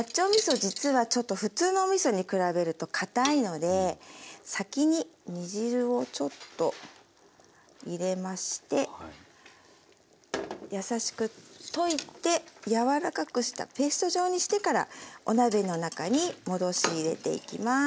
実はちょっと普通のおみそに比べるとかたいので先に煮汁をちょっと入れまして優しく溶いて柔らかくしたペースト状にしてからお鍋の中に戻し入れていきます。